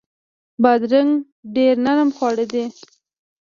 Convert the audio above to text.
بادرنګ ډیر نرم خواړه دي.